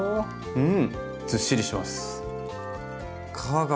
うん。